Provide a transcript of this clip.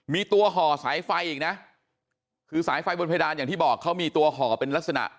มีตัวห่อสายไฟอีกนะคือสายไฟบนเพดานอย่างที่บอกเขามีตัวห่อเป็นลักษณะ